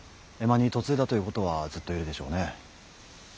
江間に嫁いだということはずっといるでしょうね。